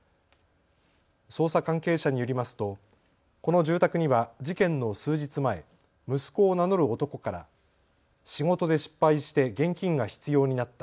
捜査関係者によりますとこの住宅には事件の数日前、息子を名乗る男から仕事で失敗して現金が必要になった。